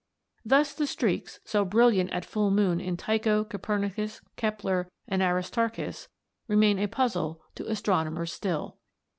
Thus the streaks, so brilliant at full moon in Tycho, Copernicus, Kepler, and Aristarchus, remain a puzzle to astronomers still."